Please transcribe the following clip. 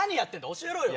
教えろよ。